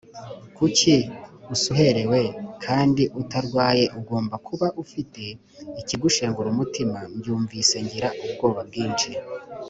kuki usuherewe p kandi utarwaye Ugomba kuba u te ikigushengura umutima Mbyumvise ngira ubwoba bwinshi